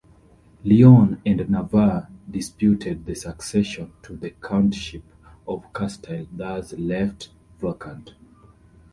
Leon and Navarre disputed the succession to the Countship of Castile thus left vacant.